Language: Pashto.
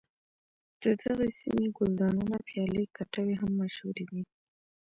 د دغې سیمې ګلدانونه پیالې کټوۍ هم مشهور دي.